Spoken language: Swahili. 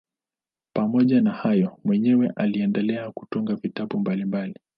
Pamoja na hayo mwenyewe aliendelea kutunga vitabu mbalimbali.